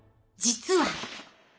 実は。